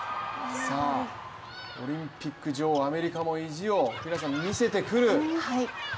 オリンピック女王アメリカも意地を見せてくる。